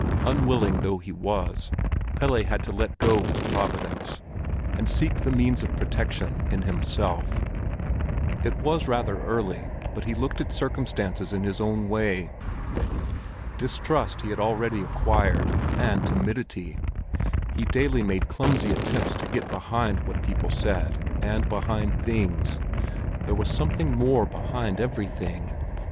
Unwilling though he was, Pelle had to let go his providence, and seek the means of protection in himself. It was rather early, but he looked at circumstances in his own way. Distrust he had already acquired—and timidity! He daily made clumsy attempts to get behind what people said, and behind things. There was something more behind everything!